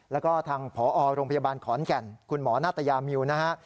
แล้วก็ทางผอโรงพยาบาลขอนแก่นคุณหมอนาตยามิวนะฮะ